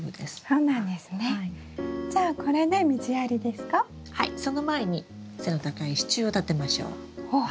その前に背の高い支柱を立てましょう。